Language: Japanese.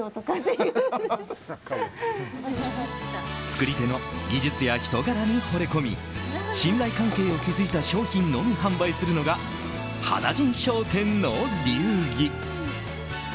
作り手の技術や人柄にほれ込み信頼関係を築いた商品のみ販売するのが羽田甚商店の流儀。